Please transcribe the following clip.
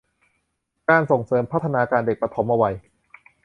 การส่งเสริมพัฒนาการเด็กปฐมวัย